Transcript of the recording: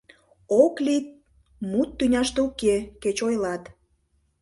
«Ок лий» мут тӱняште уке, — кеч ойлат.